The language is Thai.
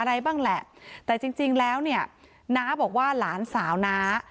อะไรบ้างแหละแต่จริงจริงแล้วเนี่ยน้าบอกว่าหลานสาวน้า